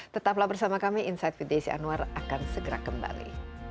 tetaplah bersama kami insight with desi anwar akan segera kembali